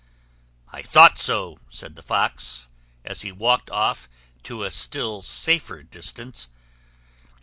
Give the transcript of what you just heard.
"I thought so," said the Fox, as he walked off to a still safer distance.